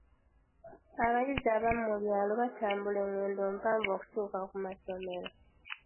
Abayizi abamu mu byalo batambula enngendo mpanvu okutuuka ku masomero.